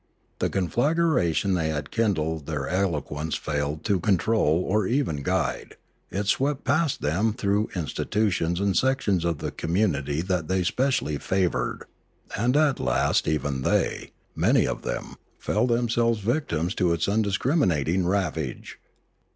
The conflagration they had kindled their eloquence failed to control or even guide; it swept past them through institutions and sections of the community that they specially favoured; and at last even they, many of them, fell themselves victims to its undiscrim inating ravage.